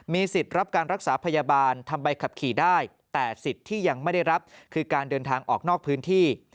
สิทธิ์รับการรักษาพยาบาลทำใบขับขี่ได้แต่สิทธิ์ที่ยังไม่ได้รับคือการเดินทางออกนอกพื้นที่